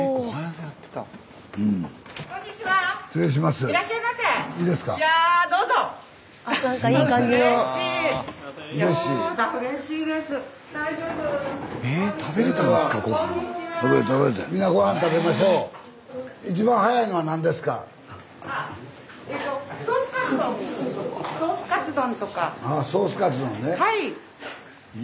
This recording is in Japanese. はい。